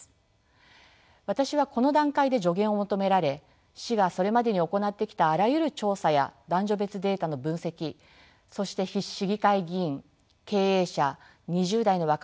私はこの段階で助言を求められ市がそれまでに行ってきたあらゆる調査や男女別データの分析そして市議会議員経営者２０代の若者など男性に対するヒヤリングを行いました。